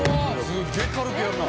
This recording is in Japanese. すげえ軽くやるな。